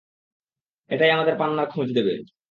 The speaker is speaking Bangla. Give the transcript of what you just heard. এটাই আমাদের পান্নার খোঁজ দেবে!